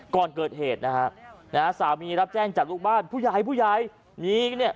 ก่อนเกิดเหตุสามีรับแจ้งจากลูกบ้านผู้ใหญ่ผู้ใหญ่